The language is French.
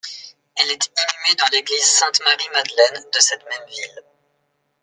Elle est inhumée dans l'église Sainte-Marie-Madeleine de cette même ville.